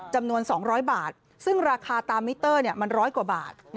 จำนวน๒๐๐บาทซึ่งราคาตามมิเตอร์มัน๑๐๐กว่าบาท